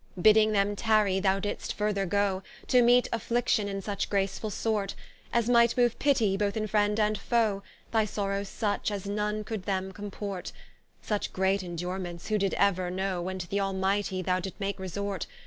Bidding them tarry, thou didst further goe, To meet affliction in such gracefull sort, As might mooue pitie both in friend and foe, Thy sorrowes such, as none could them comport, Such great Indurements who did euer know, When to th'Almighty thou didst make resort?